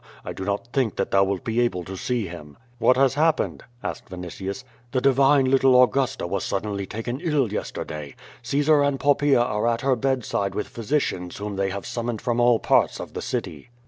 I do not think that thou wilt be able to see him." What has happened?" asked Vinitius. The divine little Augusta Avas suddenly taken ill yester day. Caesar and Poppaea are at her bedside with physicians whom they have summoned from all parts of the city."